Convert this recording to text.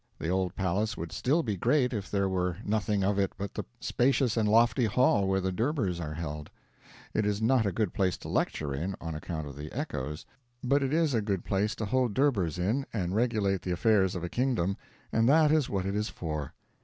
The old palace would still be great if there were nothing of it but the spacious and lofty hall where the durbars are held. It is not a good place to lecture in, on account of the echoes, but it is a good place to hold durbars in and regulate the affairs of a kingdom, and that is what it is for.